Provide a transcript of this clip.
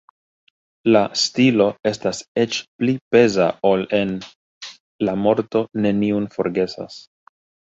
La stilo estas eĉ pli peza ol en La morto neniun forgesas.